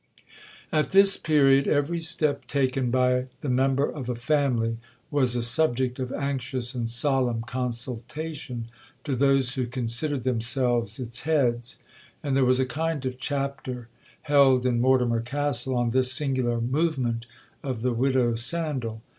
'At this period, every step taken by the member of a family was a subject of anxious and solemn consultation to those who considered themselves its heads, and there was a kind of chapter held in Mortimer Castle on this singular movement of the widow Sandal.